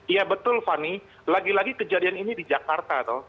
ya betul fanny lagi lagi kejadian ini di jakarta